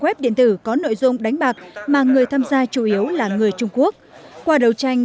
web điện tử có nội dung đánh bạc mà người tham gia chủ yếu là người trung quốc qua đấu tranh